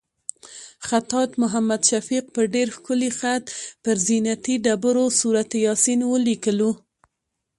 خطاط محمد شفیق په ډېر ښکلي خط پر زینتي ډبرو سورت یاسین ولیکلو.